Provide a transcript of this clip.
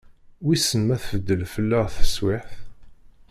Wissen ma tbeddel fell-aɣ teswiɛt?